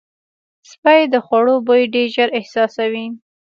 سپي د خوړو بوی ډېر ژر احساسوي.